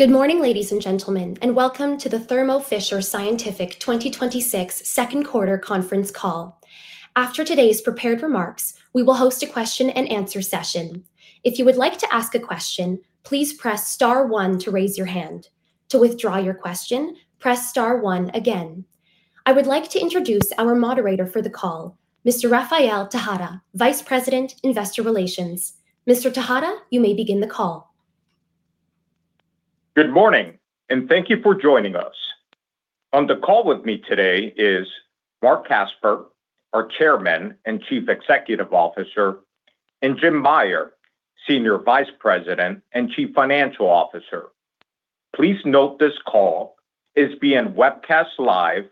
Good morning, ladies and gentlemen. Welcome to the Thermo Fisher Scientific 2026 second quarter conference call. After today's prepared remarks, we will host a question and answer session. If you would like to ask a question, please press star one to raise your hand. To withdraw your question, press star one again. I would like to introduce our moderator for the call, Mr. Rafael Tejada, Vice President, Investor Relations. Mr. Tejada, you may begin the call. Good morning. Thank you for joining us. On the call with me today is Marc Casper, our Chairman and Chief Executive Officer, and Jim Meyer, Senior Vice President and Chief Financial Officer. Please note this call is being webcast live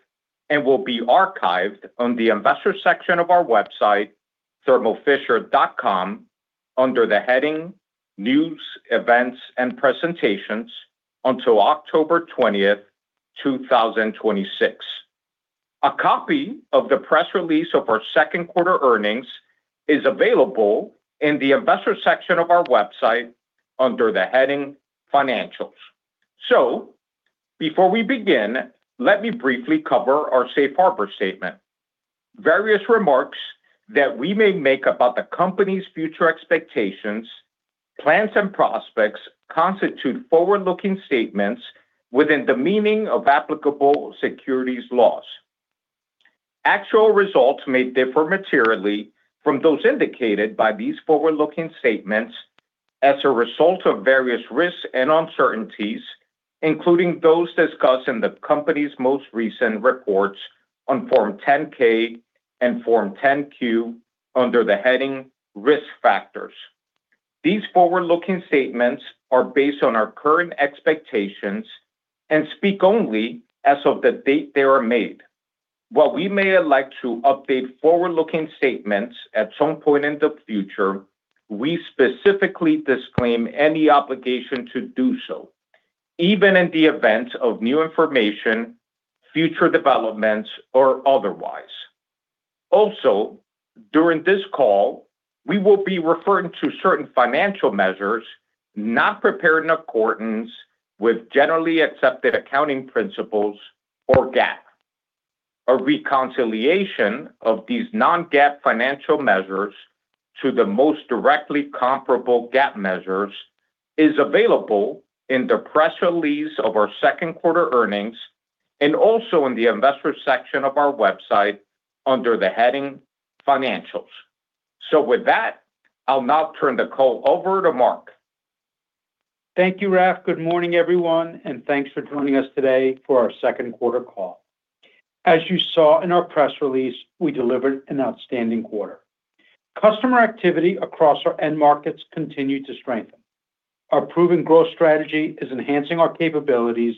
and will be archived on the investor section of our website, thermofisher.com, under the heading News, Events and Presentations until October 20, 2026. A copy of the press release of our second quarter earnings is available in the investor section of our website under the heading Financials. Before we begin, let me briefly cover our safe harbor statement. Various remarks that we may make about the company's future expectations, plans and prospects constitute forward-looking statements within the meaning of applicable securities laws. Actual results may differ materially from those indicated by these forward-looking statements as a result of various risks and uncertainties, including those discussed in the company's most recent reports on Form 10-K and Form 10-Q under the heading Risk Factors. These forward-looking statements are based on our current expectations and speak only as of the date they are made. While we may elect to update forward-looking statements at some point in the future, we specifically disclaim any obligation to do so, even in the event of new information, future developments, or otherwise. Also, during this call, we will be referring to certain financial measures not prepared in accordance with generally accepted accounting principles or GAAP. A reconciliation of these non-GAAP financial measures to the most directly comparable GAAP measures is available in the press release of our second quarter earnings and also in the investor section of our website under the heading Financials. With that, I'll now turn the call over to Marc. Thank you, Raf. Good morning, everyone, and thanks for joining us today for our second quarter call. As you saw in our press release, we delivered an outstanding quarter. Customer activity across our end markets continued to strengthen. Our proven growth strategy is enhancing our capabilities,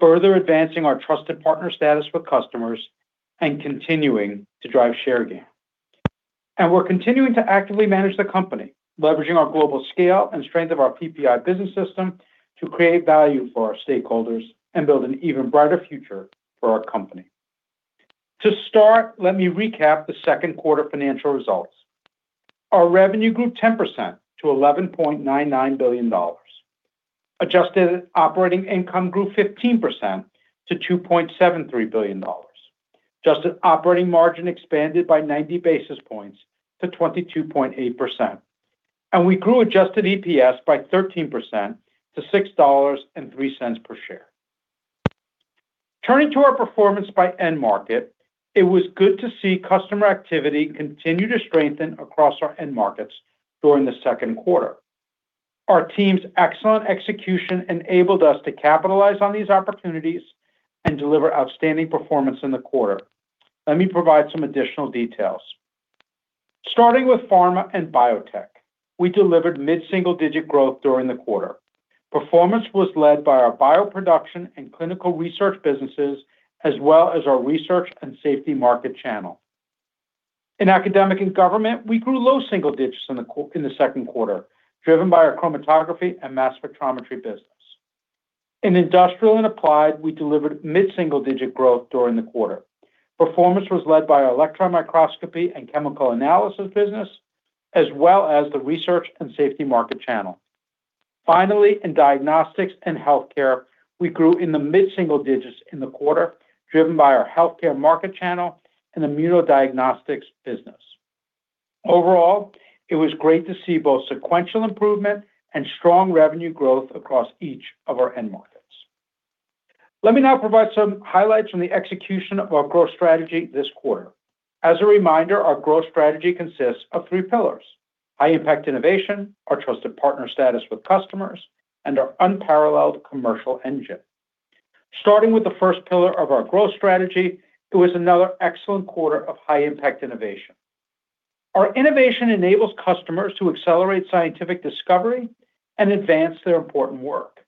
further advancing our trusted partner status with customers and continuing to drive share gain. We're continuing to actively manage the company, leveraging our global scale and strength of our PPI business system to create value for our stakeholders and build an even brighter future for our company. To start, let me recap the second quarter financial results. Our revenue grew 10% to $11.99 billion. Adjusted operating income grew 15% to $2.73 billion. Adjusted operating margin expanded by 90 basis points to 22.8%. We grew adjusted EPS by 13% to $6.03 per share. Turning to our performance by end market, it was good to see customer activity continue to strengthen across our end markets during the second quarter. Our team's excellent execution enabled us to capitalize on these opportunities and deliver outstanding performance in the quarter. Let me provide some additional details. Starting with pharma and biotech, we delivered mid-single-digit growth during the quarter. Performance was led by our bioproduction and clinical research businesses, as well as our research and safety market channel. In academic and government, we grew low single digits in the second quarter, driven by our chromatography and mass spectrometry business. In industrial and applied, we delivered mid-single-digit growth during the quarter. Performance was led by our electron microscopy and chemical analysis business, as well as the research and safety market channel. Finally, in diagnostics and healthcare, we grew in the mid-single digits in the quarter, driven by our healthcare market channel and immunodiagnostics business. Overall, it was great to see both sequential improvement and strong revenue growth across each of our end markets. Let me now provide some highlights from the execution of our growth strategy this quarter. As a reminder, our growth strategy consists of three pillars: high-impact innovation, our trusted partner status with customers, and our unparalleled commercial engine. Starting with the first pillar of our growth strategy, it was another excellent quarter of high-impact innovation. Our innovation enables customers to accelerate scientific discovery and advance their important work.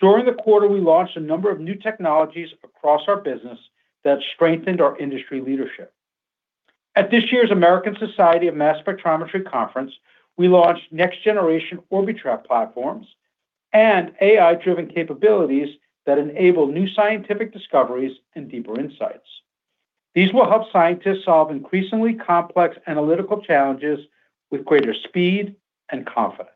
During the quarter, we launched a number of new technologies across our business that strengthened our industry leadership. At this year's American Society for Mass Spectrometry conference, we launched next-generation Orbitrap platforms and AI-driven capabilities that enable new scientific discoveries and deeper insights. These will help scientists solve increasingly complex analytical challenges with greater speed and confidence.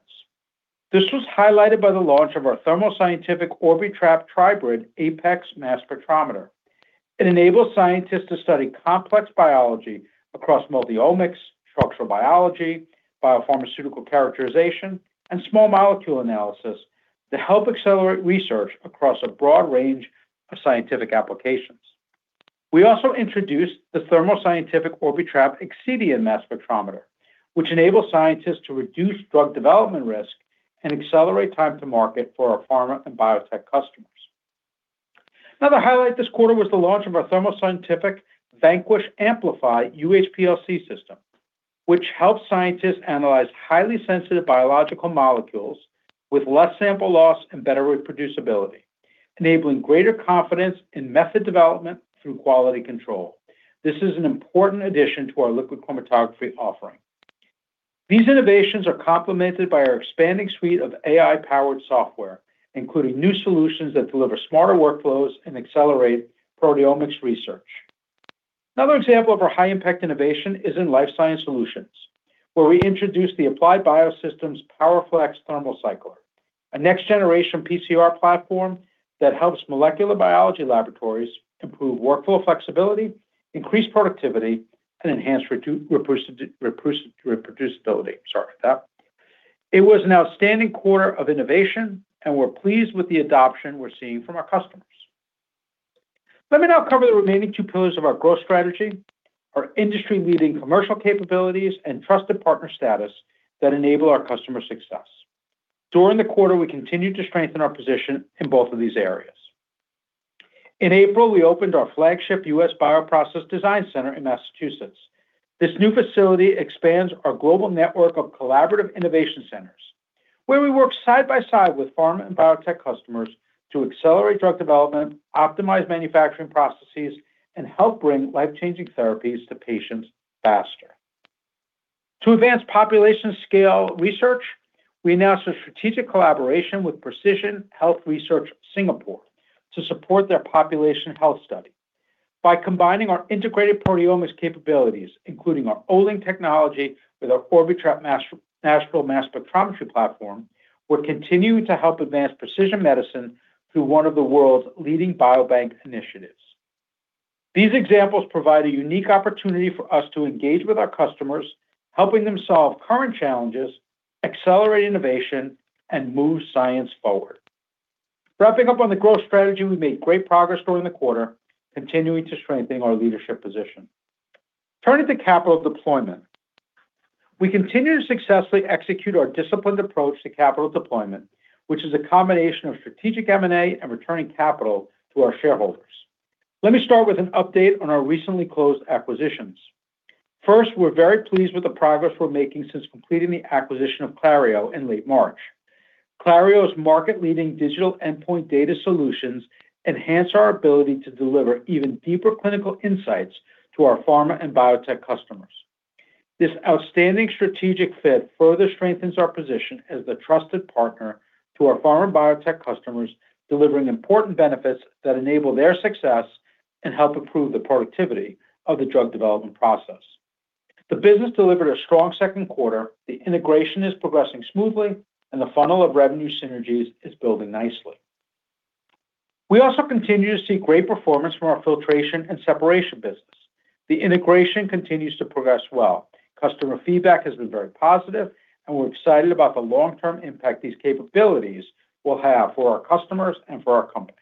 This was highlighted by the launch of our Thermo Scientific Orbitrap Tribrid Apex Mass Spectrometer. It enables scientists to study complex biology across multi-omics, structural biology, biopharmaceutical characterization, and small molecule analysis to help accelerate research across a broad range of scientific applications. We also introduced the Thermo Scientific Orbitrap Excedion Mass Spectrometer, which enables scientists to reduce drug development risk and accelerate time to market for our pharma and biotech customers. Another highlight this quarter was the launch of our Thermo Scientific Vanquish Amplify UHPLC system, which helps scientists analyze highly sensitive biological molecules with less sample loss and better reproducibility, enabling greater confidence in method development through quality control. This is an important addition to our liquid chromatography offering. These innovations are complemented by our expanding suite of AI-powered software, including new solutions that deliver smarter workflows and accelerate proteomics research. Another example of our high-impact innovation is in life science solutions, where we introduced the Applied Biosystems PowerFlex Thermal Cycler, a next-generation PCR platform that helps molecular biology laboratories improve workflow flexibility, increase productivity, and enhance reproducibility. Sorry for that. It was an outstanding quarter of innovation, and we're pleased with the adoption we're seeing from our customers. Let me now cover the remaining two pillars of our growth strategy: our industry-leading commercial capabilities and trusted partner status that enable our customer success. During the quarter, we continued to strengthen our position in both of these areas. In April, we opened our flagship U.S. Bioprocess Design Center in Massachusetts. This new facility expands our global network of collaborative innovation centers, where we work side by side with pharma and biotech customers to accelerate drug development, optimize manufacturing processes, and help bring life-changing therapies to patients faster. To advance population scale research, we announced a strategic collaboration with Precision Health Research, Singapore to support their population health study. By combining our integrated proteomics capabilities, including our Olink technology with our Orbitrap Astral mass spectrometry platform, we're continuing to help advance precision medicine through one of the world's leading biobank initiatives. These examples provide a unique opportunity for us to engage with our customers, helping them solve current challenges, accelerate innovation, and move science forward. Wrapping up on the growth strategy, we made great progress during the quarter, continuing to strengthen our leadership position. Turning to capital deployment, we continue to successfully execute our disciplined approach to capital deployment, which is a combination of strategic M&A and returning capital to our shareholders. Let me start with an update on our recently closed acquisitions. First, we're very pleased with the progress we're making since completing the acquisition of Clario in late March. Clario's market-leading digital endpoint data solutions enhance our ability to deliver even deeper clinical insights to our pharma and biotech customers. This outstanding strategic fit further strengthens our position as the trusted partner to our pharma and biotech customers, delivering important benefits that enable their success and help improve the productivity of the drug development process. The business delivered a strong second quarter, the integration is progressing smoothly, and the funnel of revenue synergies is building nicely. We also continue to see great performance from our filtration and separation business. The integration continues to progress well. Customer feedback has been very positive, and we're excited about the long-term impact these capabilities will have for our customers and for our company.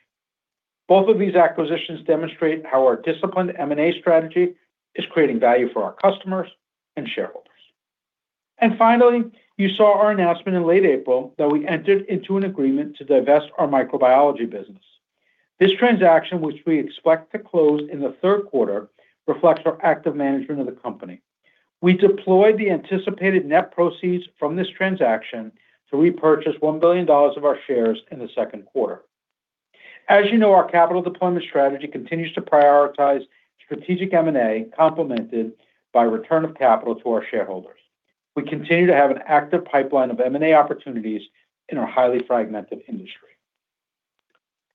Both of these acquisitions demonstrate how our disciplined M&A strategy is creating value for our customers and shareholders. Finally, you saw our announcement in late April that we entered into an agreement to divest our microbiology business. This transaction, which we expect to close in the third quarter, reflects our active management of the company. We deployed the anticipated net proceeds from this transaction to repurchase $1 billion of our shares in the second quarter. As you know, our capital deployment strategy continues to prioritize strategic M&A, complemented by return of capital to our shareholders. We continue to have an active pipeline of M&A opportunities in our highly fragmented industry.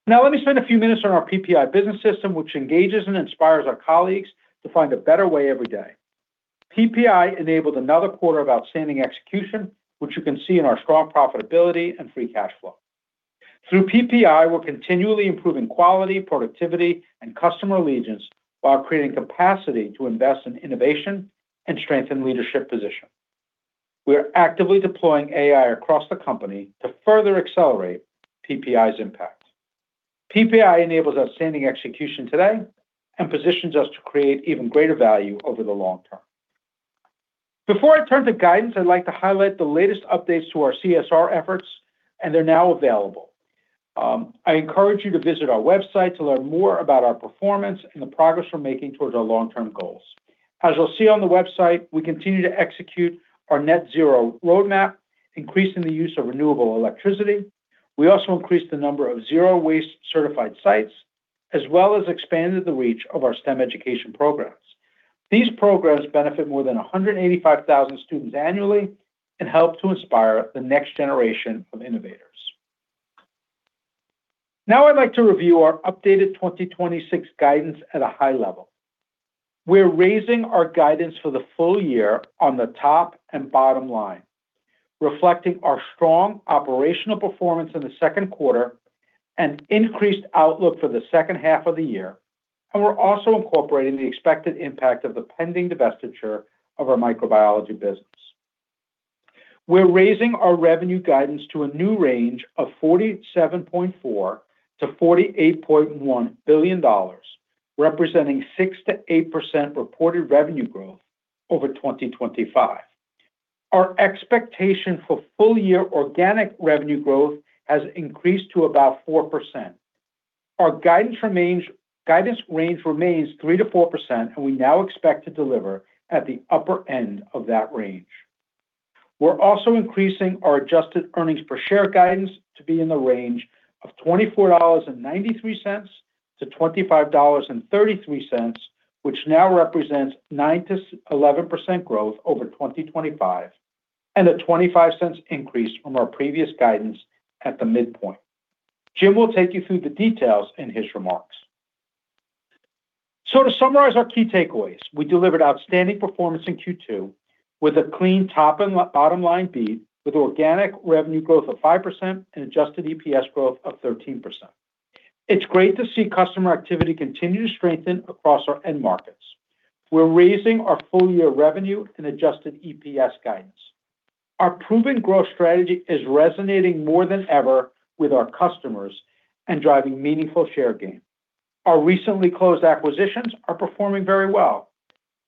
Let me spend a few minutes on our PPI business system, which engages and inspires our colleagues to find a better way every day. PPI enabled another quarter of outstanding execution, which you can see in our strong profitability and free cash flow. Through PPI, we're continually improving quality, productivity, and customer allegiance while creating capacity to invest in innovation and strengthen leadership position. We are actively deploying AI across the company to further accelerate PPI's impact. PPI enables outstanding execution today and positions us to create even greater value over the long term. Before I turn to guidance, I'd like to highlight the latest updates to our CSR efforts, and they're now available. I encourage you to visit our website to learn more about our performance and the progress we're making towards our long-term goals. As you'll see on the website, we continue to execute our net zero roadmap, increasing the use of renewable electricity. We also increased the number of zero waste certified sites, as well as expanded the reach of our STEM education programs. These programs benefit more than 185,000 students annually and help to inspire the next generation of innovators. I'd like to review our updated 2026 guidance at a high level. We're raising our guidance for the full year on the top and bottom line, reflecting our strong operational performance in the second quarter and increased outlook for the second half of the year. We're also incorporating the expected impact of the pending divestiture of our microbiology business. We're raising our revenue guidance to a new range of $47.4 billion-$48.1 billion, representing 6%-8% reported revenue growth over 2025. Our expectation for full-year organic revenue growth has increased to about 4%. Our guidance range remains 3%-4%, and we now expect to deliver at the upper end of that range. We're also increasing our adjusted earnings per share guidance to be in the range of $24.93-$25.33, which now represents 9%-11% growth over 2025, and a $0.25 increase from our previous guidance at the midpoint. Jim will take you through the details in his remarks. To summarize our key takeaways, we delivered outstanding performance in Q2 with a clean top and bottom line beat with organic revenue growth of 5% and adjusted EPS growth of 13%. It's great to see customer activity continue to strengthen across our end markets. We're raising our full year revenue and adjusted EPS guidance. Our proven growth strategy is resonating more than ever with our customers and driving meaningful share gain. Our recently closed acquisitions are performing very well.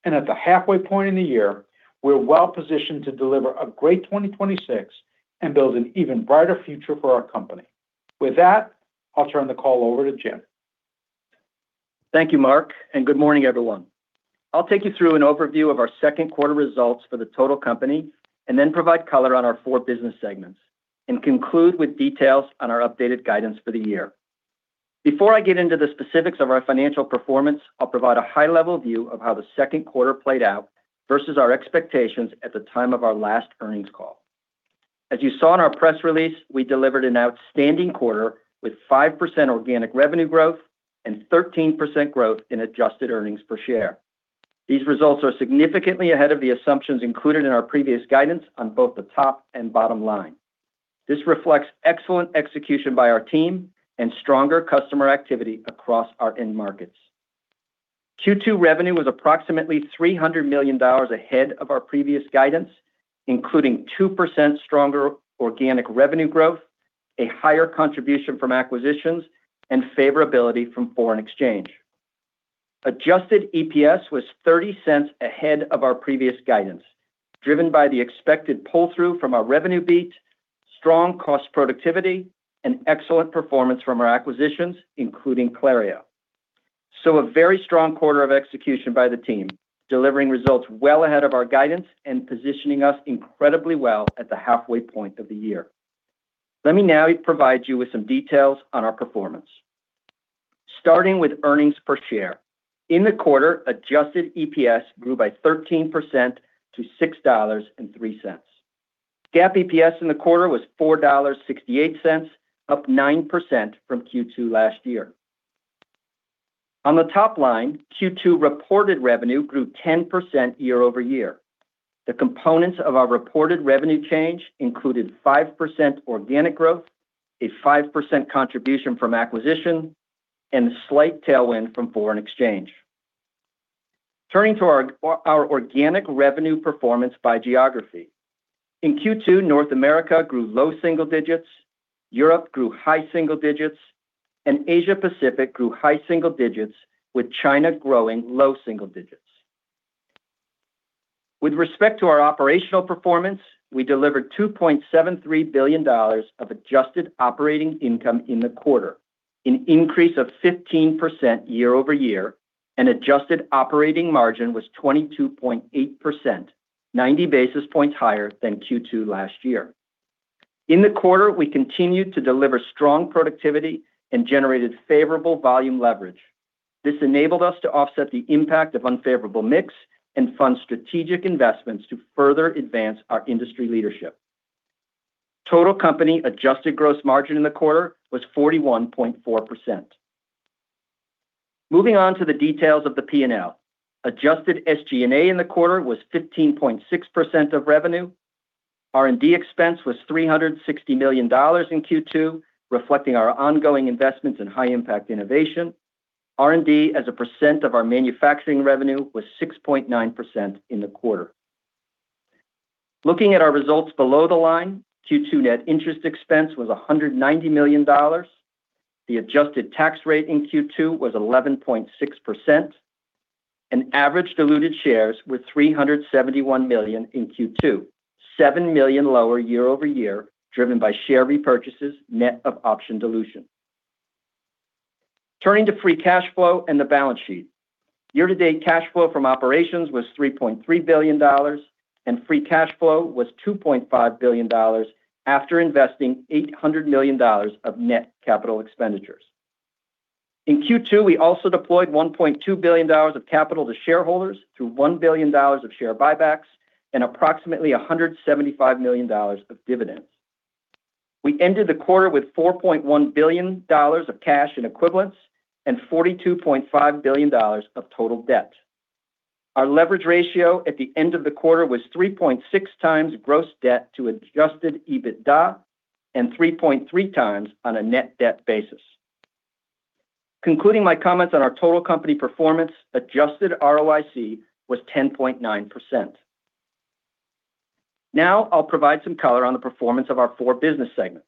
At the halfway point in the year, we're well-positioned to deliver a great 2026 and build an even brighter future for our company. With that, I'll turn the call over to Jim. Thank you, Marc, and good morning, everyone. I'll take you through an overview of our second quarter results for the total company and then provide color on our four business segments, and conclude with details on our updated guidance for the year. Before I get into the specifics of our financial performance, I'll provide a high-level view of how the second quarter played out versus our expectations at the time of our last earnings call. As you saw in our press release, we delivered an outstanding quarter with 5% organic revenue growth and 13% growth in adjusted earnings per share. These results are significantly ahead of the assumptions included in our previous guidance on both the top and bottom line. This reflects excellent execution by our team and stronger customer activity across our end markets. Q2 revenue was approximately $300 million ahead of our previous guidance, including 2% stronger organic revenue growth, a higher contribution from acquisitions, and favorability from foreign exchange. Adjusted EPS was $0.30 ahead of our previous guidance, driven by the expected pull-through from our revenue beat, strong cost productivity, and excellent performance from our acquisitions, including Clario. A very strong quarter of execution by the team, delivering results well ahead of our guidance and positioning us incredibly well at the halfway point of the year. Let me now provide you with some details on our performance. Starting with earnings per share. In the quarter, adjusted EPS grew by 13% to $6.03. GAAP EPS in the quarter was $4.68, up 9% from Q2 last year. On the top line, Q2 reported revenue grew 10% year-over-year. The components of our reported revenue change included 5% organic growth, a 5% contribution from acquisition, and a slight tailwind from foreign exchange. Turning to our organic revenue performance by geography. In Q2, North America grew low single digits, Europe grew high single digits, and Asia Pacific grew high single digits, with China growing low single digits. With respect to our operational performance, we delivered $2.73 billion of adjusted operating income in the quarter, an increase of 15% year-over-year, and adjusted operating margin was 22.8%, 90 basis points higher than Q2 last year. In the quarter, we continued to deliver strong productivity and generated favorable volume leverage. This enabled us to offset the impact of unfavorable mix and fund strategic investments to further advance our industry leadership. Total company adjusted gross margin in the quarter was 41.4%. Moving on to the details of the P&L. Adjusted SG&A in the quarter was 15.6% of revenue. R&D expense was $360 million in Q2, reflecting our ongoing investments in high impact innovation. R&D as a percent of our manufacturing revenue was 6.9% in the quarter. Looking at our results below the line, Q2 net interest expense was $190 million. The adjusted tax rate in Q2 was 11.6%, and average diluted shares were 371 million in Q2, 7 million lower year-over-year, driven by share repurchases, net of option dilution. Turning to free cash flow and the balance sheet. Year-to-date cash flow from operations was $3.3 billion, and free cash flow was $2.5 billion after investing $800 million of net capital expenditures. In Q2, we also deployed $1.2 billion of capital to shareholders through $1 billion of share buybacks and approximately $175 million of dividends. We ended the quarter with $4.1 billion of cash and equivalents and $42.5 billion of total debt. Our leverage ratio at the end of the quarter was 3.6x gross debt to adjusted EBITDA and 3.3x on a net debt basis. Concluding my comments on our total company performance, adjusted ROIC was 10.9%. Now I'll provide some color on the performance of our four business segments.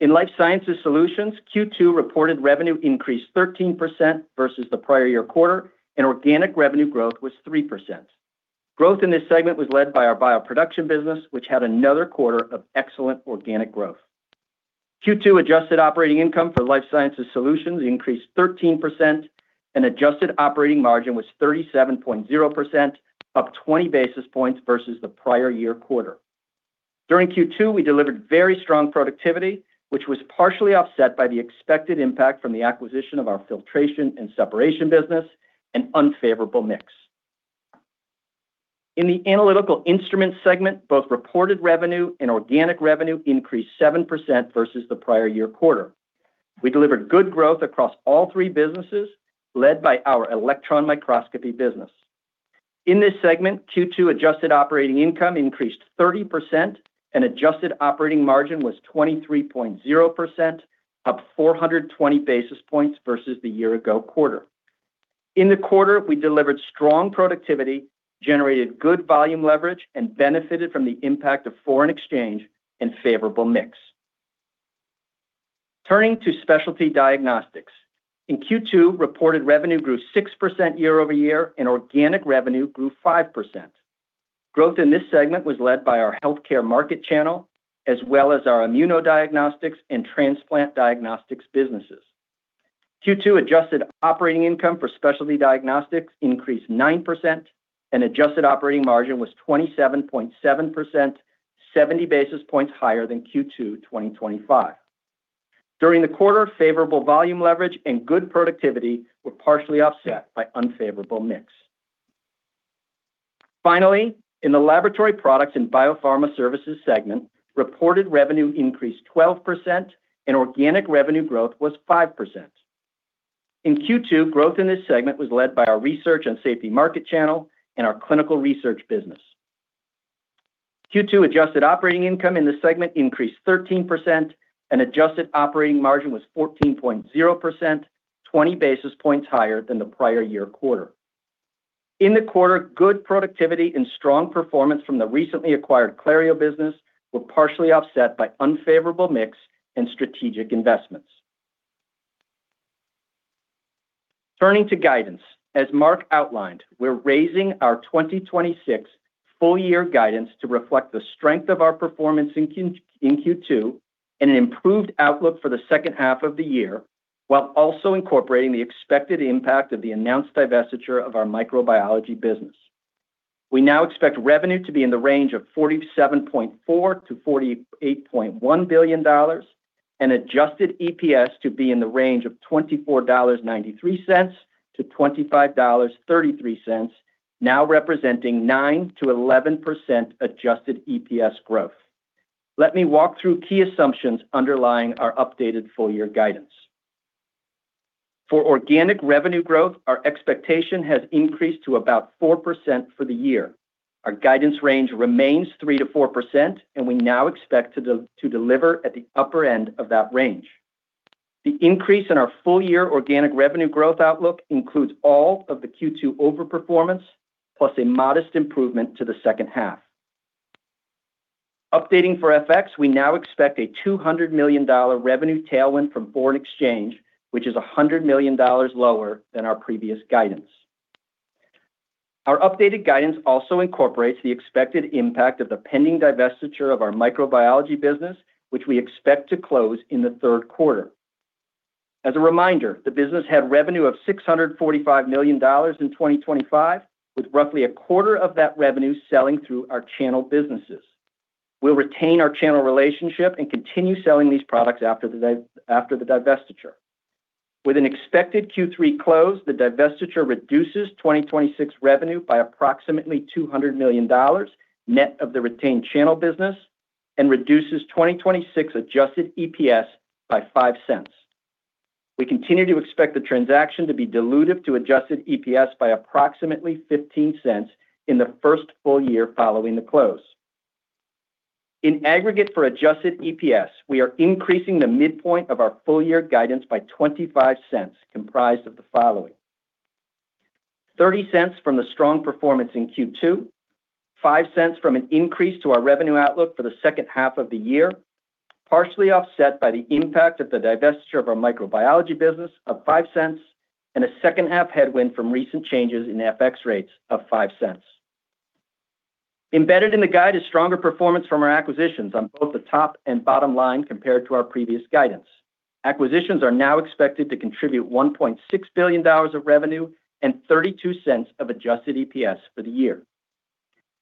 In Life Sciences Solutions, Q2 reported revenue increased 13% versus the prior year quarter, and organic revenue growth was 3%. Growth in this segment was led by our bioproduction business, which had another quarter of excellent organic growth. Q2 adjusted operating income for Life Sciences Solutions increased 13%, and adjusted operating margin was 37.0%, up 20 basis points versus the prior year quarter. During Q2, we delivered very strong productivity, which was partially offset by the expected impact from the acquisition of our filtration and separation business, an unfavorable mix. In the Analytical Instruments segment, both reported revenue and organic revenue increased 7% versus the prior year quarter. We delivered good growth across all three businesses, led by our electron microscopy business. In this segment, Q2 adjusted operating income increased 30%, and adjusted operating margin was 23.0%, up 420 basis points versus the year ago quarter. In the quarter, we delivered strong productivity, generated good volume leverage, and benefited from the impact of foreign exchange and favorable mix. Turning to Specialty Diagnostics. In Q2, reported revenue grew 6% year-over-year, and organic revenue grew 5%. Growth in this segment was led by our healthcare market channel, as well as our immunodiagnostics and transplant diagnostics businesses. Q2 adjusted operating income for Specialty Diagnostics increased 9%, and adjusted operating margin was 27.7%, 70 basis points higher than Q2 2025. During the quarter, favorable volume leverage and good productivity were partially offset by unfavorable mix. Finally, in the Laboratory Products and Biopharma Services segment, reported revenue increased 12%, and organic revenue growth was 5%. In Q2, growth in this segment was led by our research and safety market channel and our clinical research business. Q2 adjusted operating income in this segment increased 13%, and adjusted operating margin was 14.0%, 20 basis points higher than the prior year quarter. In the quarter, good productivity and strong performance from the recently acquired Clario business were partially offset by unfavorable mix and strategic investments. Turning to guidance. As Marc outlined, we're raising our 2026 full year guidance to reflect the strength of our performance in Q2 and an improved outlook for the second half of the year, while also incorporating the expected impact of the announced divestiture of our microbiology business. We now expect revenue to be in the range of $47.4 billion-$48.1 billion, and adjusted EPS to be in the range of $24.93-$25.33, now representing 9%-11% adjusted EPS growth. Let me walk through key assumptions underlying our updated full year guidance. For organic revenue growth, our expectation has increased to about 4% for the year. Our guidance range remains 3%-4%, and we now expect to deliver at the upper end of that range. The increase in our full year organic revenue growth outlook includes all of the Q2 overperformance, plus a modest improvement to the second half. Updating for FX, we now expect a $200 million revenue tailwind from foreign exchange, which is $100 million lower than our previous guidance. Our updated guidance also incorporates the expected impact of the pending divestiture of our microbiology business, which we expect to close in the third quarter. As a reminder, the business had revenue of $645 million in 2025, with roughly a quarter of that revenue selling through our channel businesses. We'll retain our channel relationship and continue selling these products after the divestiture. With an expected Q3 close, the divestiture reduces 2026 revenue by approximately $200 million, net of the retained channel business, and reduces 2026 adjusted EPS by $0.05. We continue to expect the transaction to be dilutive to adjusted EPS by approximately $0.15 in the first full year following the close. In aggregate for adjusted EPS, we are increasing the midpoint of our full year guidance by $0.25, comprised of the following: $0.30 from the strong performance in Q2, $0.05 from an increase to our revenue outlook for the second half of the year, partially offset by the impact of the divestiture of our microbiology business of $0.05, and a second half headwind from recent changes in FX rates of $0.05. Embedded in the guide is stronger performance from our acquisitions on both the top and bottom line compared to our previous guidance. Acquisitions are now expected to contribute $1.6 billion of revenue and $0.32 of adjusted EPS for the year.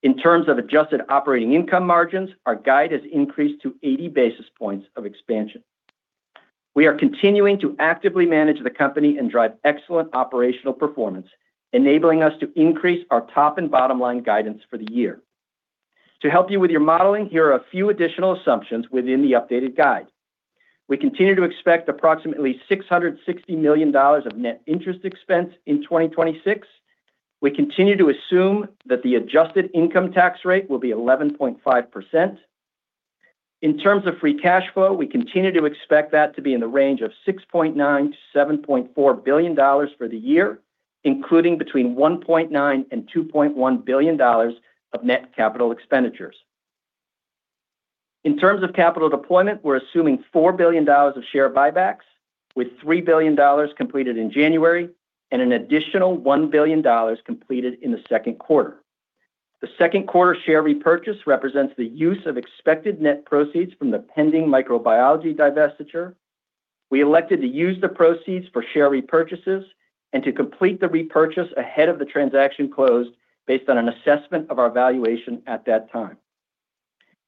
In terms of adjusted operating income margins, our guide has increased to 80 basis points of expansion. We are continuing to actively manage the company and drive excellent operational performance, enabling us to increase our top and bottom-line guidance for the year. To help you with your modeling, here are a few additional assumptions within the updated guide. We continue to expect approximately $660 million of net interest expense in 2026. We continue to assume that the adjusted income tax rate will be 11.5%. In terms of free cash flow, we continue to expect that to be in the range of $6.9 billion-$7.4 billion for the year, including between $1.9 billion and $2.1 billion of net capital expenditures. In terms of capital deployment, we're assuming $4 billion of share buybacks, with $3 billion completed in January and an additional $1 billion completed in the second quarter. The second quarter share repurchase represents the use of expected net proceeds from the pending microbiology divestiture. We elected to use the proceeds for share repurchases and to complete the repurchase ahead of the transaction close based on an assessment of our valuation at that time.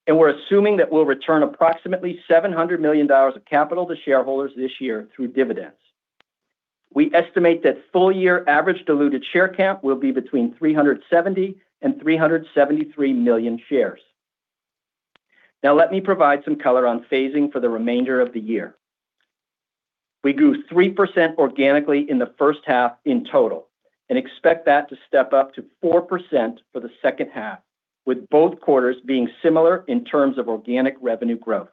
We're assuming that we'll return approximately $700 million of capital to shareholders this year through dividends. We estimate that full-year average diluted share count will be between 370 million and 373 million shares. Now let me provide some color on phasing for the remainder of the year. We grew 3% organically in the first half in total and expect that to step up to 4% for the second half, with both quarters being similar in terms of organic revenue growth.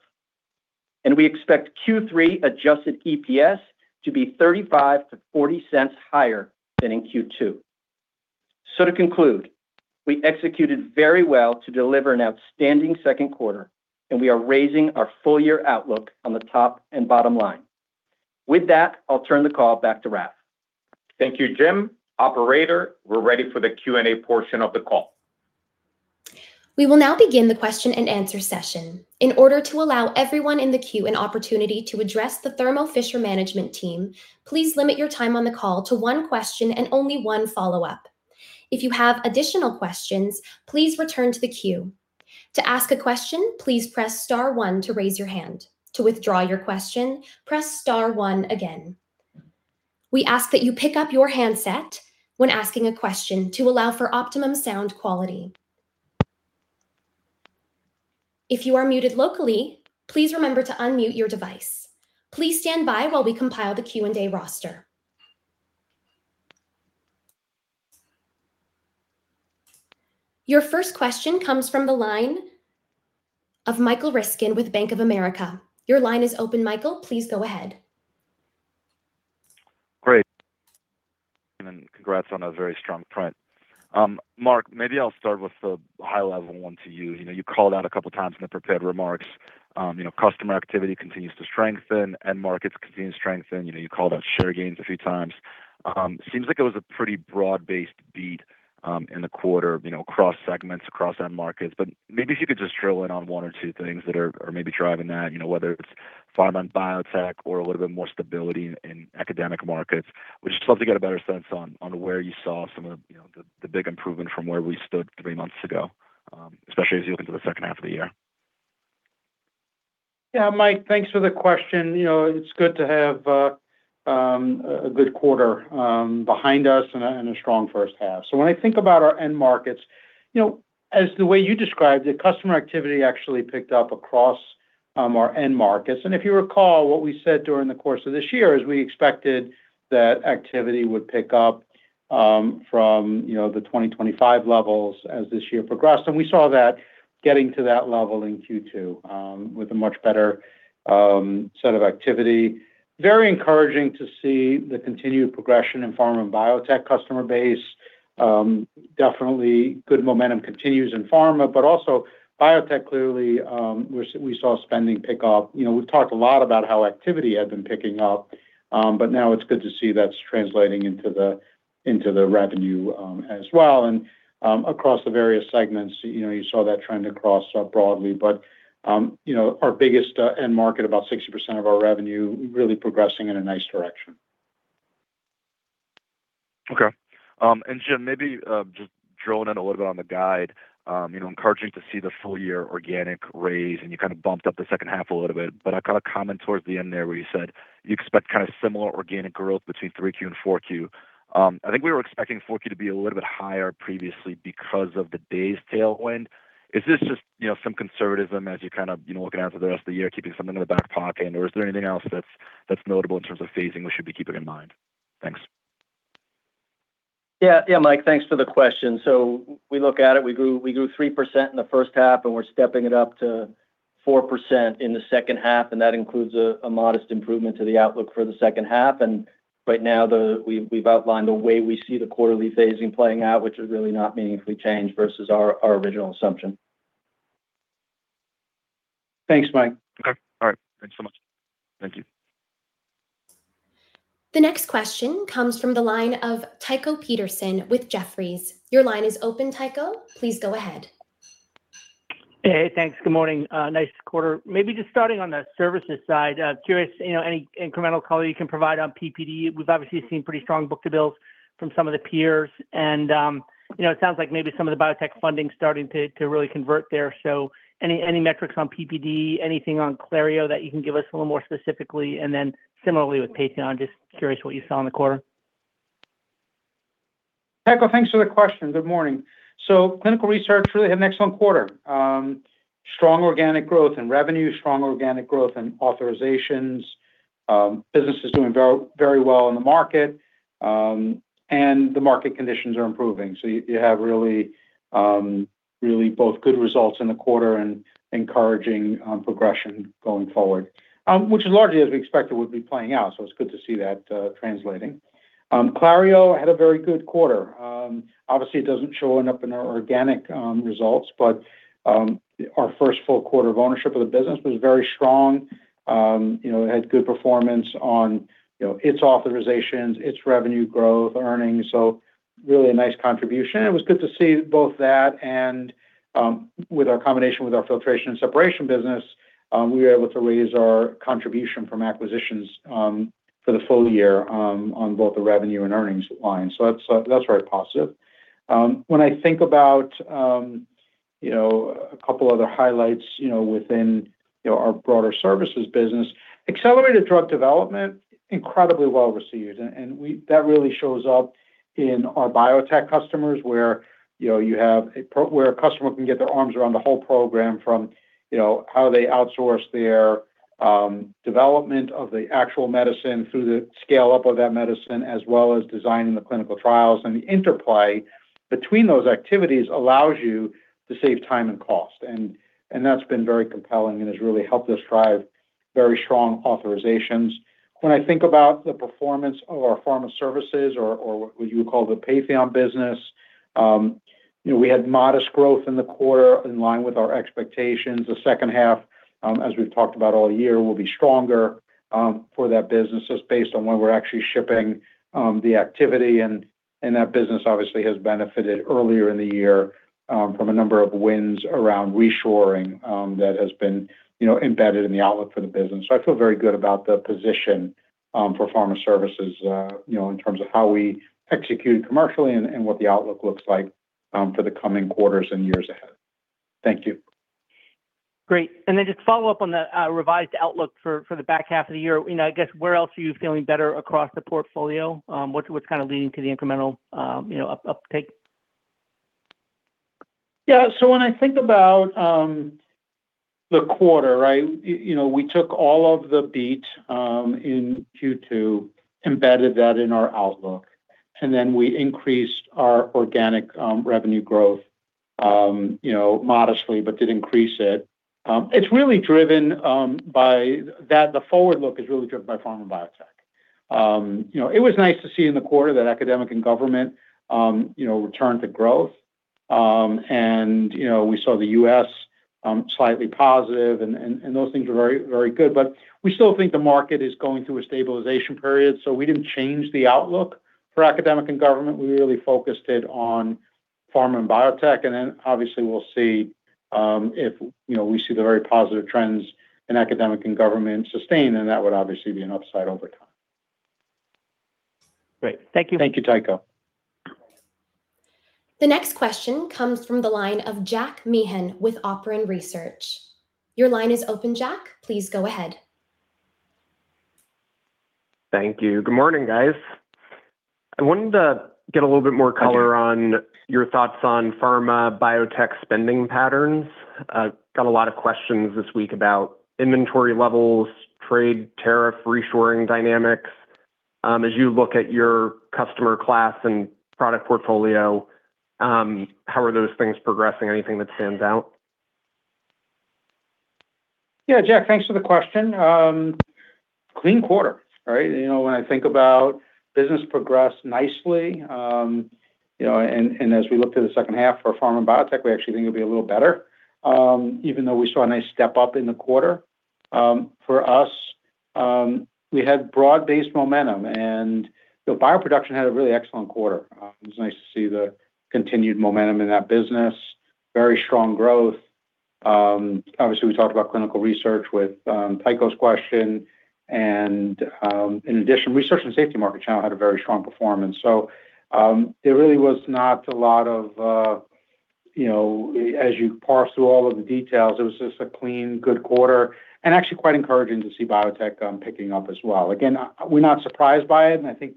We expect Q3 adjusted EPS to be $0.35-$0.40 higher than in Q2. To conclude, we executed very well to deliver an outstanding second quarter, and we are raising our full-year outlook on the top and bottom line. With that, I'll turn the call back to Raf. Thank you, Jim. Operator, we're ready for the Q&A portion of the call. We will now begin the question and answer session. In order to allow everyone in the queue an opportunity to address the Thermo Fisher management team, please limit your time on the call to one question and only one follow-up. If you have additional questions, please return to the queue. To ask a question, please press star one to raise your hand. To withdraw your question, press star one again. We ask that you pick up your handset when asking a question to allow for optimum sound quality. If you are muted locally, please remember to unmute your device. Please stand by while we compile the Q&A roster. Your first question comes from the line of Michael Ryskin with Bank of America. Your line is open, Michael. Please go ahead. Great. Congrats on a very strong print. Marc, maybe I'll start with the high-level one to you. You called out a couple of times in the prepared remarks, customer activity continues to strengthen, end markets continue to strengthen. You called out share gains a few times. Seems like it was a pretty broad-based beat in the quarter, across segments, across end markets, but maybe if you could just drill in on one or two things that are maybe driving that, whether it's pharma and biotech or a little bit more stability in academic markets. We'd just love to get a better sense on where you saw some of the big improvement from where we stood three months ago, especially as you look into the second half of the year. Mike, thanks for the question. It's good to have a good quarter behind us and a strong first half. When I think about our end markets, as the way you described it, customer activity actually picked up across our end markets. If you recall, what we said during the course of this year is we expected that activity would pick up from the 2025 levels as this year progressed. We saw that getting to that level in Q2 with a much better set of activity. Very encouraging to see the continued progression in pharma and biotech customer base. Definitely good momentum continues in pharma, but also biotech, clearly, we saw spending pick up. We've talked a lot about how activity had been picking up, but now it's good to see that's translating into the revenue as well. Across the various segments, you saw that trend across broadly. Our biggest end market, about 60% of our revenue, really progressing in a nice direction. Jim, maybe just drilling in a little bit on the guide, encouraging to see the full-year organic raise, and you kind of bumped up the second half a little bit. I caught a comment towards the end there where you said you expect kind of similar organic growth between 3Q and 4Q. I think we were expecting 4Q to be a little bit higher previously because of the days tailwind. Is this just some conservatism as you're kind of looking out for the rest of the year, keeping something in the back pocket? Is there anything else that's notable in terms of phasing we should be keeping in mind? Thanks. Mike, thanks for the question. We look at it, we grew 3% in the first half, we're stepping it up to 4% in the second half, that includes a modest improvement to the outlook for the second half. Right now, we've outlined the way we see the quarterly phasing playing out, which is really not meaningfully changed versus our original assumption. Thanks, Mike. Okay. All right. Thanks so much. Thank you. The next question comes from the line of Tycho Peterson with Jefferies. Your line is open, Tycho. Please go ahead. Hey, thanks. Good morning. Nice quarter. Maybe just starting on the services side, curious any incremental color you can provide on PPD. We've obviously seen pretty strong book-to-bills from some of the peers, and it sounds like maybe some of the biotech funding's starting to really convert there. Any metrics on PPD, anything on Clario that you can give us a little more specifically, and then similarly with Patheon, just curious what you saw in the quarter. Tycho, thanks for the question. Good morning. Clinical research really had an excellent quarter. Strong organic growth in revenue, strong organic growth in authorizations. Business is doing very well in the market, and the market conditions are improving. You have really both good results in the quarter and encouraging progression going forward. Which largely as we expected would be playing out, so it's good to see that translating. Clario had a very good quarter. Obviously, it doesn't show up in our organic results, but our first full quarter of ownership of the business was very strong. It had good performance on its authorizations, its revenue growth, earnings. Really a nice contribution. It was good to see both that and with our combination with our filtration and separation business, we were able to raise our contribution from acquisitions for the full year on both the revenue and earnings line. That's very positive. When I think about a couple other highlights within our broader services business, accelerated drug development, incredibly well-received. That really shows up in our biotech customers where a customer can get their arms around the whole program from how they outsource their development of the actual medicine through the scale-up of that medicine, as well as designing the clinical trials, and the interplay between those activities allows you to save time and cost. That's been very compelling and has really helped us drive very strong authorizations. When I think about the performance of our pharma services or what you would call the Patheon business, we had modest growth in the quarter in line with our expectations. The second half, as we've talked about all year, will be stronger for that business just based on when we're actually shipping the activity, and that business obviously has benefited earlier in the year from a number of wins around reshoring that has been embedded in the outlook for the business. I feel very good about the position for pharma services in terms of how we execute commercially and what the outlook looks like for the coming quarters and years ahead. Thank you. Great. Just follow up on the revised outlook for the back half of the year. I guess where else are you feeling better across the portfolio? What's leading to the incremental uptake? Yeah. When I think about the quarter, we took all of the beat in Q2, embedded that in our outlook, we increased our organic revenue growth modestly, but did increase it. The forward look is really driven by pharma and biotech. It was nice to see in the quarter that academic and government returned to growth. We saw the U.S. slightly positive, and those things were very good. We still think the market is going through a stabilization period, we didn't change the outlook for academic and government. We really focused it on pharma and biotech, obviously we'll see if we see the very positive trends in academic and government sustain, that would obviously be an upside over time. Great. Thank you. Thank you, Tycho. The next question comes from the line of Jack Meehan with Operon Research. Your line is open, Jack. Please go ahead. Thank you. Good morning, guys. Hi, Jack. I wanted to get a little bit more color on your thoughts on pharma/biotech spending patterns. Got a lot of questions this week about inventory levels, trade tariff, reshoring dynamics. As you look at your customer class and product portfolio, how are those things progressing? Anything that stands out? Yeah, Jack, thanks for the question. Clean quarter, right? When I think about business progressed nicely, and as we look to the second half for pharma and biotech, we actually think it'll be a little better, even though we saw a nice step up in the quarter. For us, we had broad-based momentum, and bioproduction had a really excellent quarter. It was nice to see the continued momentum in that business. Very strong growth. Obviously, we talked about clinical research with Tycho's question, and in addition, research and safety market channel had a very strong performance. As you parse through all of the details, it was just a clean, good quarter, and actually quite encouraging to see biotech picking up as well. Again, we're not surprised by it, and I think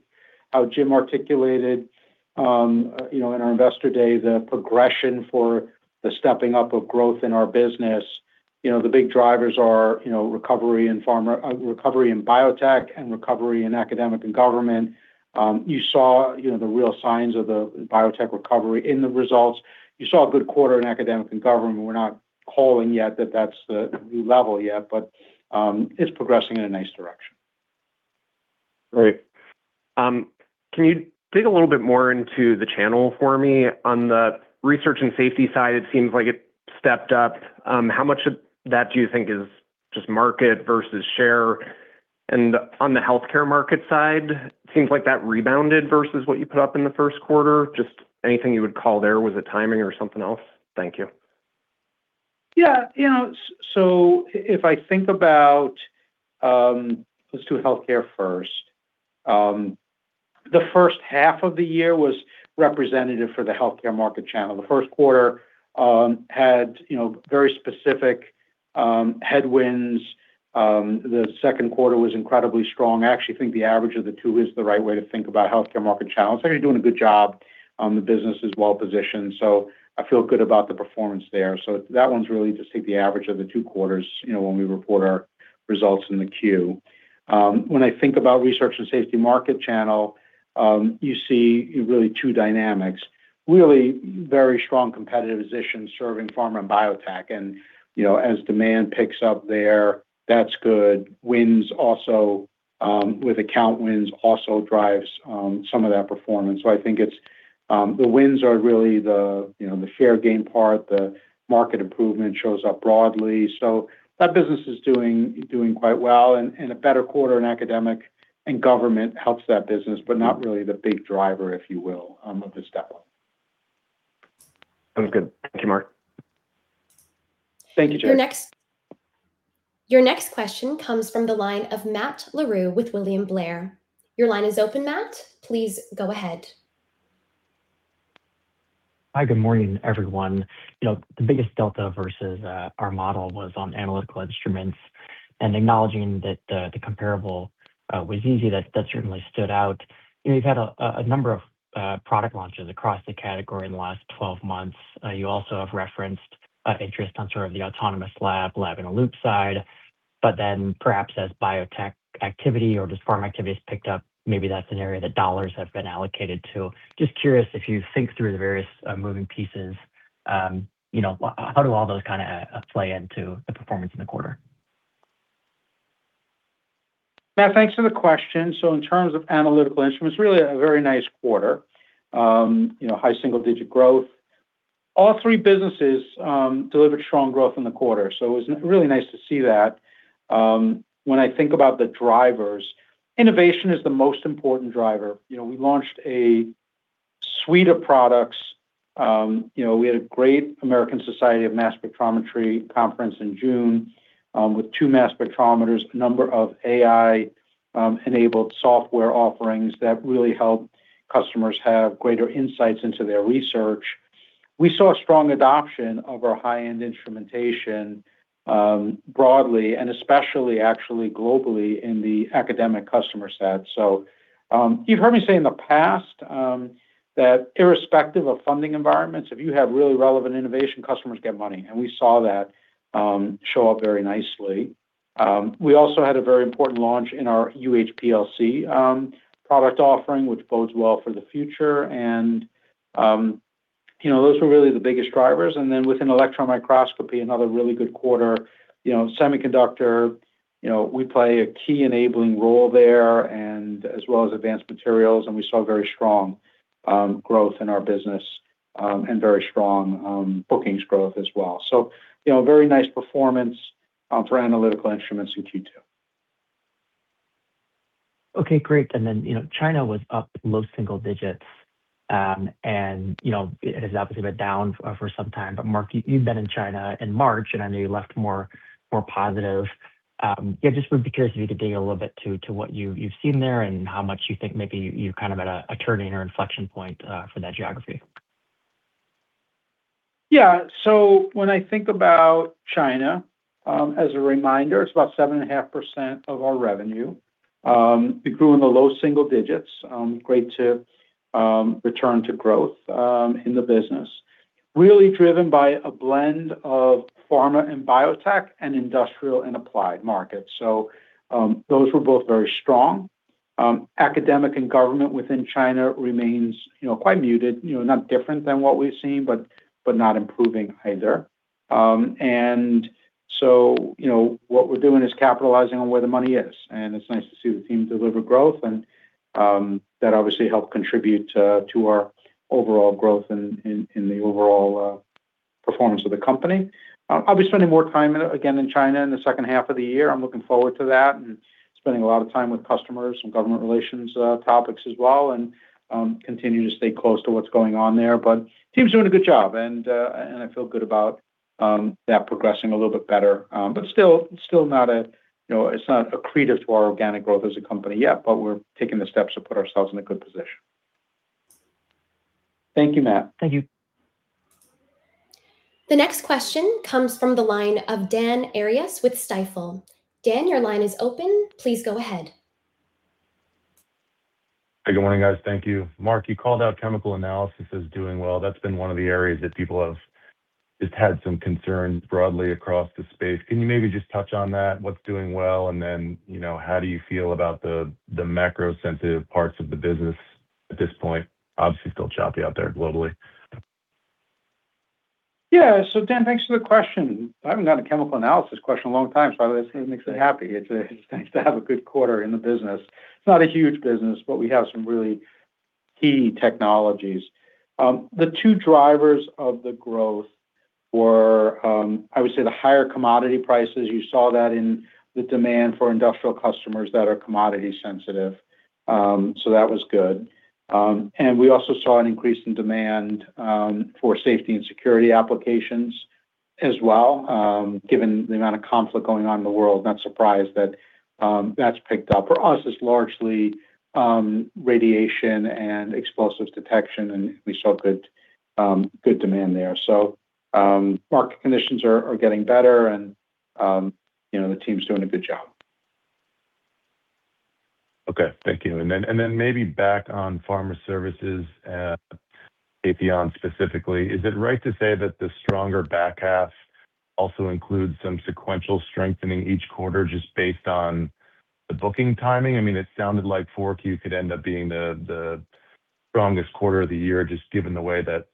how Jim articulated in our Investor Day the progression for the stepping up of growth in our business. The big drivers are recovery in biotech and recovery in academic and government. You saw the real signs of the biotech recovery in the results. You saw a good quarter in academic and government. We're not calling yet that that's the new level yet, but it's progressing in a nice direction. Great. Can you dig a little bit more into the channel for me? On the research and safety side, it seems like it stepped up. How much of that do you think is just market versus share? On the healthcare market side, it seems like that rebounded versus what you put up in the first quarter. Just anything you would call there? Was it timing or something else? Thank you. Yeah. If I think about Let's do healthcare first. The first half of the year was representative for the healthcare market channel. The first quarter had very specific headwinds. The second quarter was incredibly strong. I actually think the average of the two is the right way to think about healthcare market channel. It's already doing a good job. The business is well-positioned. I feel good about the performance there. That one's really just take the average of the two quarters, when we report our results in the Q. When I think about research and safety market channel, you see really two dynamics. Really very strong competitive position serving pharma and biotech. As demand picks up there, that's good. With account wins, also drives some of that performance. I think the wins are really the share gain part. The market improvement shows up broadly. That business is doing quite well. A better quarter in academic and government helps that business, but not really the big driver, if you will, of the step up. Sounds good. Thank you, Marc. Thank you, Jack. Your next question comes from the line of Matt Larew with William Blair. Your line is open, Matt. Please go ahead. Hi, good morning, everyone. The biggest delta versus our model was on Analytical Instruments. Acknowledging that the comparable was easy, that certainly stood out. You've had a number of product launches across the category in the last 12 months. You also have referenced interest on sort of the autonomous lab in a loop side. Perhaps as biotech activity or just pharma activity has picked up, maybe that's an area that dollars have been allocated to. Just curious if you think through the various moving pieces, how do all those kind of play into the performance in the quarter? Matt, thanks for the question. In terms of Analytical Instruments, really a very nice quarter. High single-digit growth. All three businesses delivered strong growth in the quarter, it was really nice to see that. When I think about the drivers, innovation is the most important driver. We launched a suite of products. We had a great American Society for Mass Spectrometry conference in June, with two mass spectrometers, a number of AI-enabled software offerings that really help customers have greater insights into their research. We saw strong adoption of our high-end instrumentation, broadly, and especially actually globally in the academic customer set. You've heard me say in the past, that irrespective of funding environments, if you have really relevant innovation, customers get money, and we saw that show up very nicely. We also had a very important launch in our UHPLC product offering, which bodes well for the future. Those were really the biggest drivers. Within electron microscopy, another really good quarter. Semiconductor, we play a key enabling role there as well as advanced materials, we saw very strong growth in our business, very strong bookings growth as well. Very nice performance for Analytical Instruments in Q2. Okay, great. China was up low single digits. It has obviously been down for some time, Marc, you'd been in China in March, I know you left more positive. Just would be curious if you could dig a little bit to what you've seen there and how much you think maybe you've kind of at a turning or inflection point for that geography? When I think about China, as a reminder, it's about 7.5% of our revenue. It grew in the low single digits. Great to return to growth in the business, really driven by a blend of pharma and biotech and industrial and applied markets. Those were both very strong. Academic and government within China remains quite muted, not different than what we've seen, not improving either. What we're doing is capitalizing on where the money is, it's nice to see the team deliver growth, that obviously helped contribute to our overall growth in the overall performance of the company. I'll be spending more time again in China in the second half of the year. I'm looking forward to that spending a lot of time with customers, some government relations topics as well, continue to stay close to what's going on there. Team's doing a good job, and I feel good about that progressing a little bit better. Still it's not accretive to our organic growth as a company yet, but we're taking the steps to put ourselves in a good position. Thank you, Matt. Thank you. The next question comes from the line of Dan Arias with Stifel. Dan, your line is open. Please go ahead. Hey, good morning, guys. Thank you. Marc, you called out chemical analysis as doing well. That's been one of the areas that people have just had some concerns broadly across the space. Can you maybe just touch on that? What's doing well, and then, how do you feel about the macro-sensitive parts of the business at this point? Obviously, still choppy out there globally. Yeah. Dan, thanks for the question. I haven't gotten a chemical analysis question in a long time, obviously it makes me happy. It's nice to have a good quarter in the business. It's not a huge business, but we have some really key technologies. The two drivers of the growth were, I would say, the higher commodity prices. You saw that in the demand for industrial customers that are commodity sensitive. That was good. We also saw an increase in demand for safety and security applications as well. Given the amount of conflict going on in the world, not surprised that's picked up. For us, it's largely radiation and explosives detection, and we saw good demand there. Market conditions are getting better and the team's doing a good job. Okay. Thank you. Maybe back on pharma services, Patheon specifically. Is it right to say that the stronger back half also includes some sequential strengthening each quarter just based on the booking timing? It sounded like 4Q could end up being the strongest quarter of the year just given the way that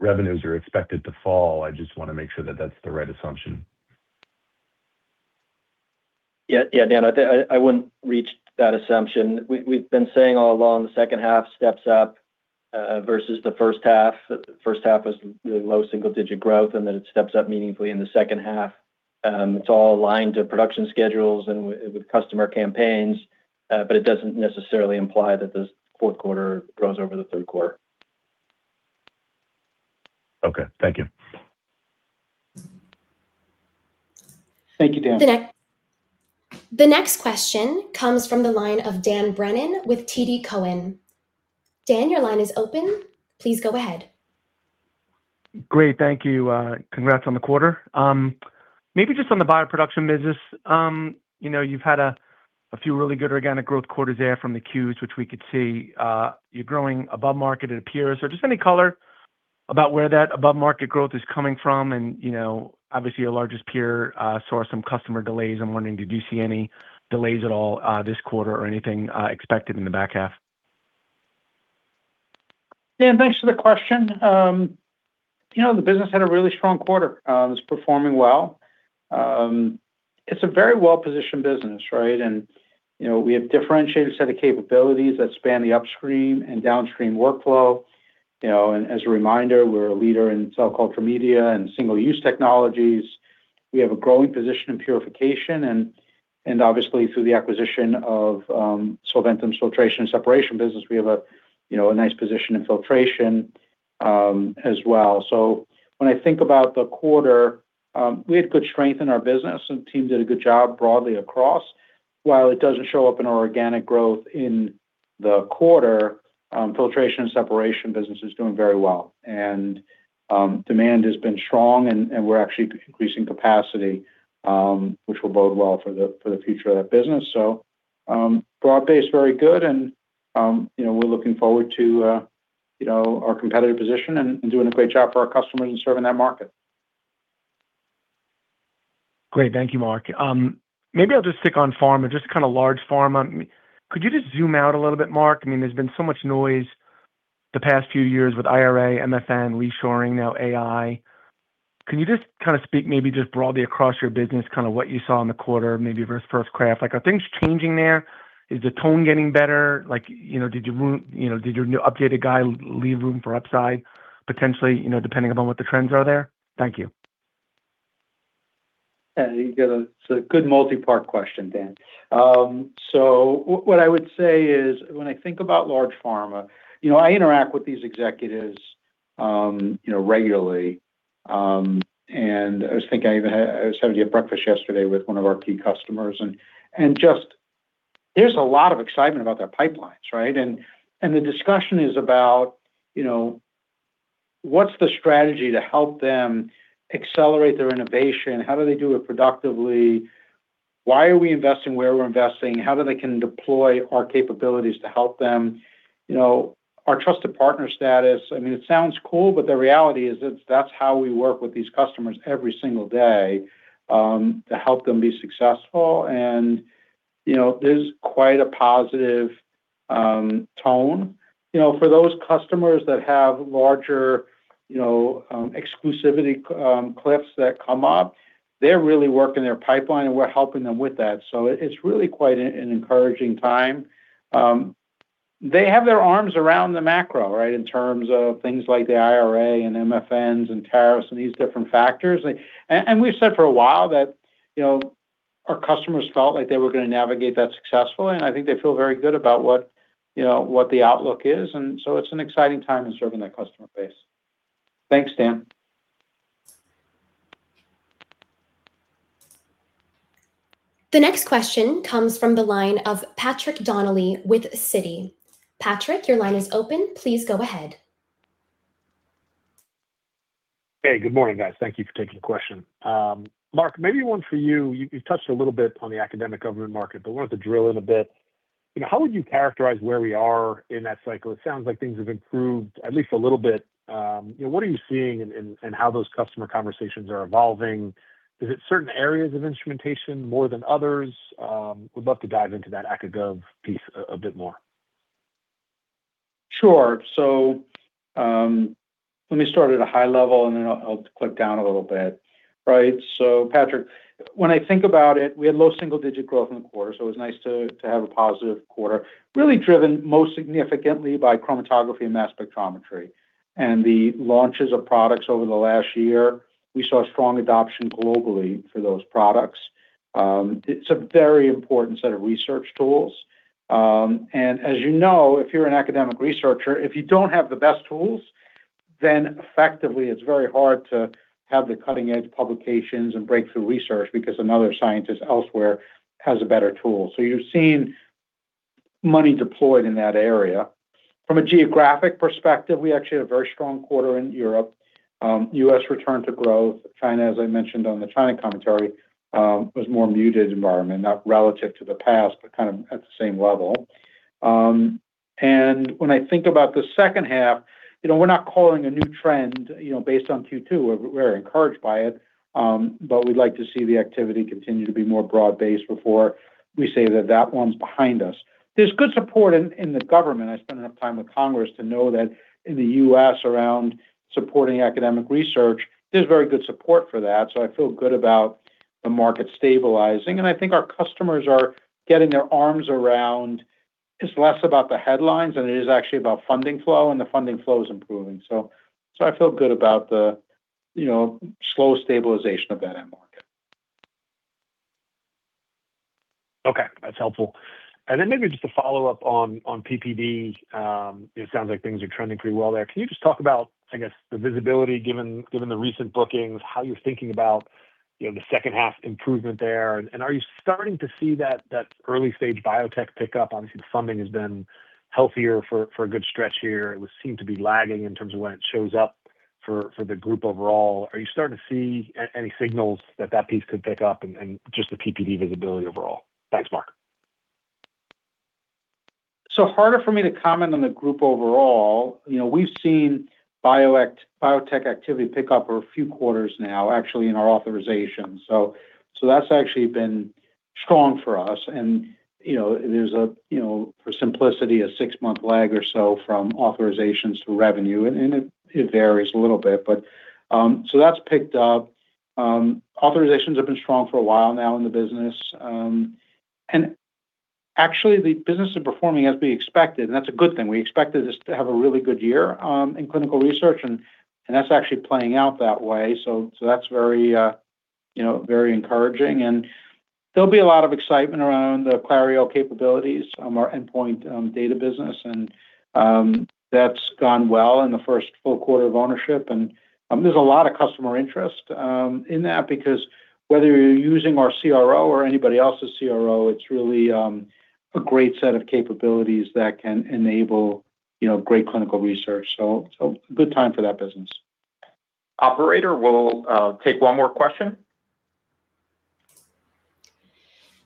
revenues are expected to fall. I just want to make sure that's the right assumption. Yeah. Dan, I wouldn't reach that assumption. We've been saying all along the second half steps up versus the first half. First half was really low single-digit growth, it steps up meaningfully in the second half. It's all aligned to production schedules and with customer campaigns. It doesn't necessarily imply that the fourth quarter grows over the third quarter. Okay. Thank you. Thank you, Dan. The next question comes from the line of Dan Brennan with TD Cowen. Dan, your line is open. Please go ahead. Great. Thank you. Congrats on the quarter. Maybe just on the bioproduction business. You've had a few really good organic growth quarters there from the Q's, which we could see. You're growing above market it appears, or just any color about where that above-market growth is coming from and, obviously your largest peer saw some customer delays. I'm wondering, did you see any delays at all this quarter or anything expected in the back half? Dan, thanks for the question. The business had a really strong quarter. It's performing well. It's a very well-positioned business, right? We have differentiated set of capabilities that span the upstream and downstream workflow. As a reminder, we're a leader in cell culture media and single-use technologies. We have a growing position in purification and obviously through the acquisition of Solventum's Filtration and Separation business, we have a nice position in filtration as well. When I think about the quarter, we had good strength in our business and team did a good job broadly across. While it doesn't show up in our organic growth in the quarter, filtration and separation business is doing very well. Demand has been strong and we're actually increasing capacity, which will bode well for the future of that business. Broad base very good and we're looking forward to our competitive position and doing a great job for our customers and serving that market. Great. Thank you, Marc. Maybe I'll just stick on pharma, just kind of large pharma. Could you just zoom out a little bit, Marc? There's been so much noise the past few years with IRA, MFN, reshoring, now AI. Can you just speak maybe just broadly across your business what you saw in the quarter maybe versus first half? Are things changing there? Is the tone getting better? Did your new updated guide leave room for upside potentially depending upon what the trends are there? Thank you. You got a good multi-part question, Dan. What I would say is when I think about large pharma, I interact with these executives regularly. I was having a breakfast yesterday with one of our key customers and just, there's a lot of excitement about their pipelines, right? The discussion is about what's the strategy to help them accelerate their innovation? How do they do it productively? Why are we investing where we're investing? How they can deploy our capabilities to help them. Our trusted partner status, it sounds cool, but the reality is that's how we work with these customers every single day, to help them be successful and there's quite a positive tone. For those customers that have larger exclusivity cliffs that come up, they're really working their pipeline and we're helping them with that. It's really quite an encouraging time. They have their arms around the macro, right? In terms of things like the IRA and MFNs and tariffs and these different factors. We've said for a while that our customers felt like they were going to navigate that successfully. I think they feel very good about what the outlook is. It's an exciting time in serving that customer base. Thanks, Dan. The next question comes from the line of Patrick Donnelly with Citi. Patrick, your line is open. Please go ahead. Hey, good morning, guys. Thank you for taking the question. Marc, maybe one for you. You touched a little bit on the academic government market, but I wanted to drill in a bit. How would you characterize where we are in that cycle? It sounds like things have improved at least a little bit. What are you seeing in how those customer conversations are evolving? Is it certain areas of instrumentation more than others? Would love to dive into that aca gov piece a bit more. Sure. Let me start at a high level, and then I'll clip down a little bit. Patrick, when I think about it, we had low single-digit growth in the quarter, so it was nice to have a positive quarter. Really driven most significantly by chromatography and mass spectrometry, and the launches of products over the last year. We saw strong adoption globally for those products. It's a very important set of research tools. As you know, if you're an academic researcher, if you don't have the best tools, then effectively it's very hard to have the cutting-edge publications and breakthrough research because another scientist elsewhere has a better tool. You're seeing money deployed in that area. From a geographic perspective, we actually had a very strong quarter in Europe. U.S. returned to growth. China, as I mentioned on the China commentary, was more muted environment. Not relative to the past, but kind of at the same level. When I think about the second half, we're not calling a new trend based on Q2. We're encouraged by it, but we'd like to see the activity continue to be more broad-based before we say that that one's behind us. There's good support in the government. I spend enough time with Congress to know that in the U.S. around supporting academic research, there's very good support for that, I feel good about the market stabilizing. I think our customers are getting their arms around, it's less about the headlines than it is actually about funding flow, and the funding flow is improving. I feel good about the slow stabilization of that end market. Okay. That's helpful. Maybe just a follow-up on PPD. It sounds like things are trending pretty well there. Can you just talk about, I guess, the visibility given the recent bookings, how you're thinking about the second half improvement there? Are you starting to see that early-stage biotech pickup? Obviously, the funding has been healthier for a good stretch here. It would seem to be lagging in terms of when it shows up for the group overall. Are you starting to see any signals that that piece could pick up and just the PPD visibility overall? Thanks, Marc. Harder for me to comment on the group overall. We've seen biotech activity pick up for a few quarters now, actually in our authorization. That's actually been strong for us. There's, for simplicity, a six-month lag or so from authorizations to revenue, and it varies a little bit. That's picked up. Authorizations have been strong for a while now in the business. Actually, the business is performing as we expected, and that's a good thing. We expected this to have a really good year in clinical research, and that's actually playing out that way. That's very encouraging. There'll be a lot of excitement around the Clario capabilities, our endpoint data business. That's gone well in the first full quarter of ownership. There's a lot of customer interest in that because whether you're using our CRO or anybody else's CRO, it's really a great set of capabilities that can enable great clinical research. A good time for that business. Operator, we'll take one more question.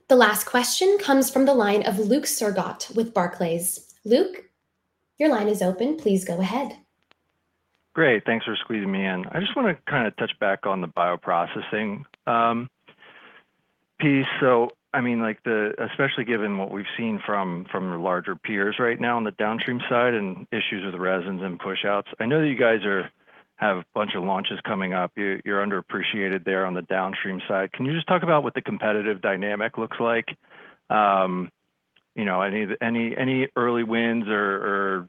The last question comes from the line of Luke Sergott with Barclays. Luke, your line is open. Please go ahead. Great. Thanks for squeezing me in. I just want to touch back on the bioprocessing piece. Especially given what we've seen from the larger peers right now on the downstream side and issues with the resins and pushouts, I know that you guys have a bunch of launches coming up. You're underappreciated there on the downstream side. Can you just talk about what the competitive dynamic looks like? Any early wins or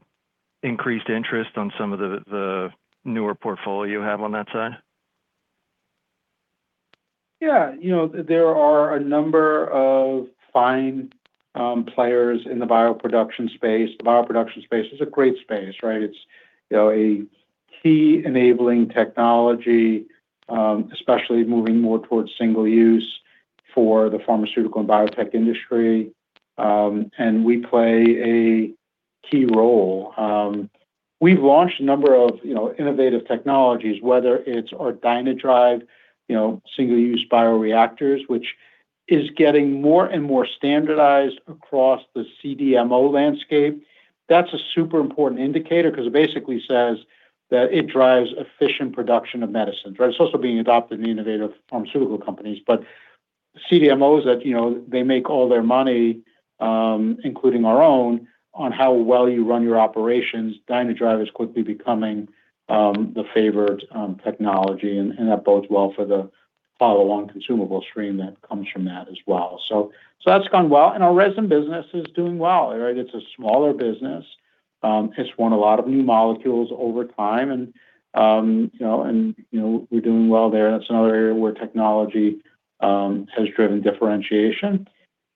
increased interest on some of the newer portfolio you have on that side? Yeah. There are a number of fine players in the bioproduction space. The bioproduction space is a great space, right? It's a key enabling technology, especially moving more towards single use for the pharmaceutical and biotech industry. We play a key role. We've launched a number of innovative technologies, whether it's our DynaDrive single-use bioreactors, which is getting more and more standardized across the CDMO landscape. That's a super important indicator because it basically says that it drives efficient production of medicines. It's also being adopted in innovative pharmaceutical companies. CDMOs, they make all their money, including our own, on how well you run your operations. DynaDrive is quickly becoming the favored technology, and that bodes well for the follow-on consumable stream that comes from that as well. That's gone well, and our resin business is doing well. It's a smaller business. It's won a lot of new molecules over time, and we're doing well there. That's another area where technology has driven differentiation.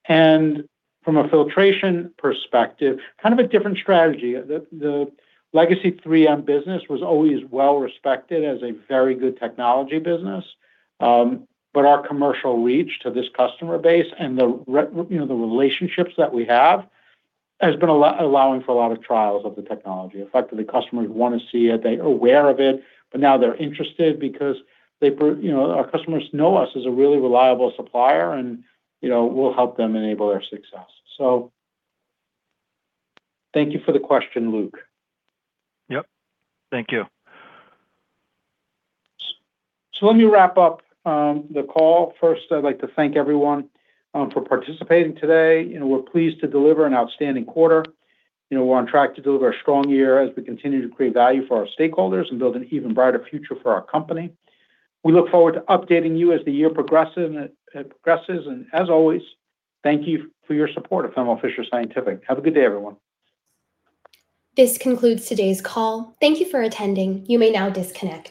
From a filtration perspective, kind of a different strategy. The legacy 3M business was always well-respected as a very good technology business. Our commercial reach to this customer base and the relationships that we have, has been allowing for a lot of trials of the technology. Effectively, customers want to see it, they're aware of it, but now they're interested because our customers know us as a really reliable supplier, and we'll help them enable their success. Thank you for the question, Luke. Yep. Thank you. Let me wrap up the call. First, I'd like to thank everyone for participating today. We're pleased to deliver an outstanding quarter. We're on track to deliver a strong year as we continue to create value for our stakeholders and build an even brighter future for our company. We look forward to updating you as the year progresses. As always, thank you for your support of Thermo Fisher Scientific. Have a good day, everyone. This concludes today's call. Thank you for attending. You may now disconnect.